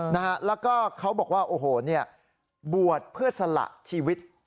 นะฮะแล้วก็เขาบอกว่าโอ้โหเนี่ยบวชเพื่อสละชีวิต